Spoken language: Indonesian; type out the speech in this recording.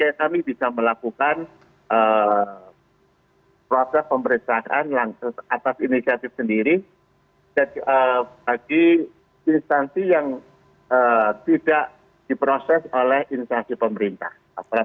supaya kami bisa melakukan proses pemeriksaan atas inisiatif sendiri bagi instansi yang tidak diproses oleh instansi pemerintah